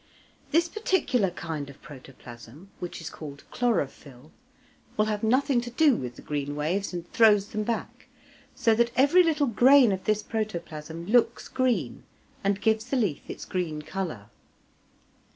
This particular kind of protoplasm, which is called "chlorophyll," will have nothing to do with the green waves and throws them back, so that every little grain of this protoplasm looks green and gives the leaf its green colour.